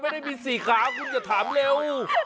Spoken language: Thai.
ไม่ได้มี๔ขาคุณจะถามเร็ว